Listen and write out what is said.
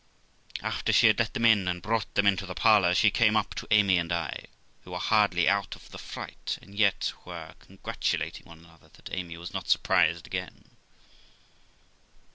After she had let them in, and brought them into the parlour, she came up to Amy and I, who were hardly out of the fright, and yet were con gratulating one another that Amy was not surprised again.